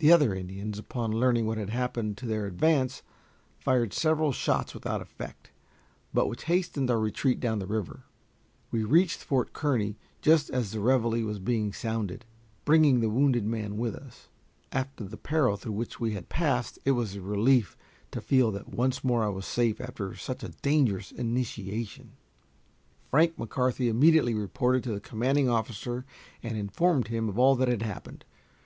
The other Indians, upon learning what had happened to their advance, fired several shots without effect, but which hastened our retreat down the river. We reached Fort Kearny just as the reveille was being sounded, bringing the wounded man with us. After the peril through which we had passed, it was a relief to feel that once more I was safe after such a dangerous initiation. Frank McCarthy immediately reported to the commanding officer and informed him of all that had happened.